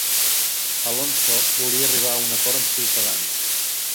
Alonso volia arribar a un acord amb Ciutadans